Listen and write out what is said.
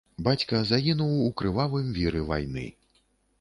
Бацька загінуў у крывавым віры вайны.